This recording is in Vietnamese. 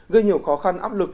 gây nhiều khó khăn áp lực